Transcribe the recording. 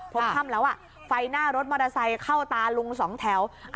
ค่ำแล้วไฟหน้ารถมอเตอร์ไซค์เข้าตาลุงสองแถว